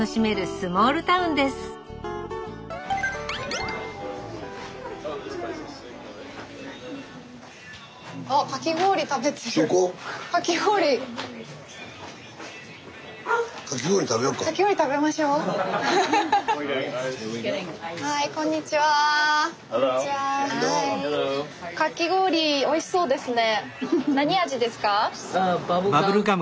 Ｈｅｌｌｏ．かき氷おいしそうですね。